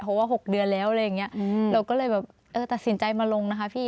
เพราะว่า๖เดือนแล้วเราก็เลยแบบตัดสินใจมาลงนะคะพี่